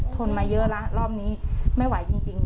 ทนมาเยอะแล้วรอบนี้ไม่ไหวจริง